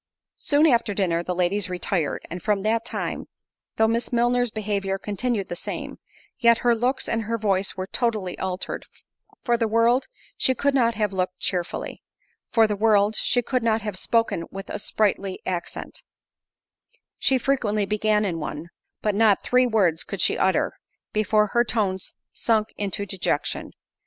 Soon after dinner the ladies retired; and from that time, though Miss Milner's behaviour continued the same, yet her looks and her voice were totally altered—for the world, she could not have looked cheerfully; for the world, she could not have spoken with a sprightly accent; she frequently began in one, but not three words could she utter, before her tones sunk into dejection.